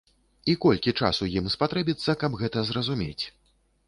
І колькі часу ім спатрэбіцца, каб гэта зразумець?